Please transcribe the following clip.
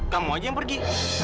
kamu aja yang pergi